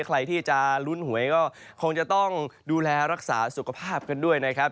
ใครที่จะลุ้นหวยก็คงจะต้องดูแลรักษาสุขภาพกันด้วยนะครับ